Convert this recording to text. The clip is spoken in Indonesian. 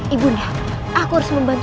ibu aku harus membantu